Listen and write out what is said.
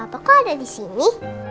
loh papa kok ada di sini